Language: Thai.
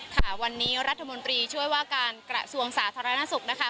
ค่ะวันนี้รัฐมนตรีช่วยว่าการกระทรวงสาธารณสุขนะคะ